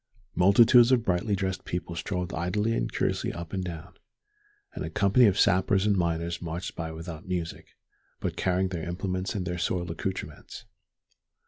Multitudes of brightly dressed people strolled idly and curiously up and down, and a company of sappers and miners marched by without music, but carrying their implements and their soiled accoutrements.